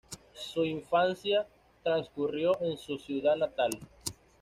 Su infancia transcurrió en su ciudad natal.